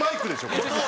これ。